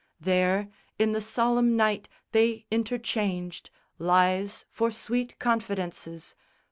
There in the solemn night they interchanged Lies for sweet confidences.